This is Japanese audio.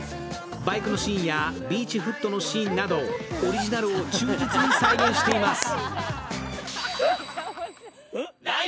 バイクのシーンやビーチフットのシーンなどオリジナルを忠実に再現しています。